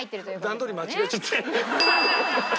段取り間違えちゃった。